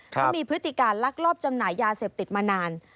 เขามีพฤติการลักลอบจำหน่ายยาเสพติดมานาน